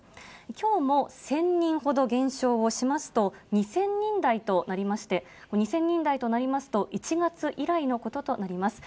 きょうも１０００人ほど減少をしますと、２０００人台となりまして、２０００人台となりますと、１月以来のこととなります。